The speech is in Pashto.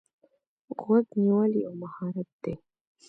غوږ نیول یو مهارت دی.